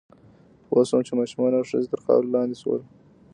پوه شوم چې ماشومان او ښځې تر خاورو لاندې شول